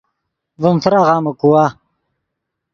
ڤیم فراغامے کوا